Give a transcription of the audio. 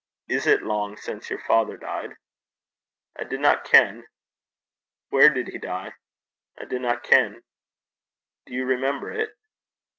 'Is it long since your father died?' 'I dinna ken.' 'Where did he die?' 'I dinna ken.' 'Do you remember it?'